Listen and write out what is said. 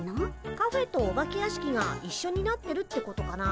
カフェとお化け屋敷が一緒になってるってことかな？